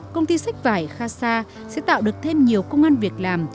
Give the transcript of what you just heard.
công ty sách vải khasha sẽ tạo được thêm nhiều công an việc làm